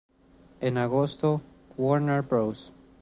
En agosto, Warner Bros.